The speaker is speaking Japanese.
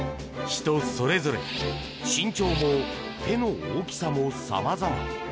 人それぞれ身長も手の大きさも様々。